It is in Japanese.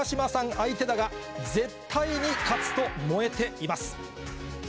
相手だが、絶対に勝つと燃えています。